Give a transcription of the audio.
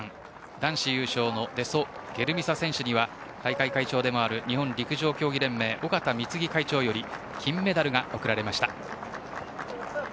男子優勝のデソ・ゲルミサ選手には大会会長でもある日本陸上競技連盟尾縣貢会長より金メダルが贈られました。